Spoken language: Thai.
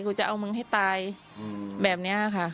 กูจะเอามึงให้ตายแบบนี้ค่ะ